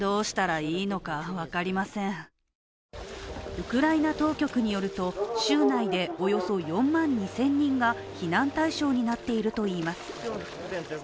ウクライナ当局によると、州内でおよそ４万２０００人が避難対象になっているといいます。